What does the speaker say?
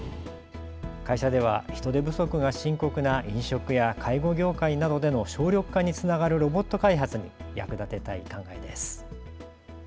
会社では人手不足が深刻な飲食や介護業界などでの省力化につながるロボット開発に役立てたい考えです。